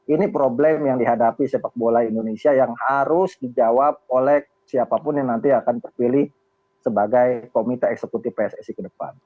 ini problem yang dihadapi sepak bola indonesia yang harus dijawab oleh siapapun yang nanti akan terpilih sebagai komite eksekutif pssi ke depan